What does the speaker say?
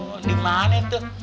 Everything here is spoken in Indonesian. oh dimana tuh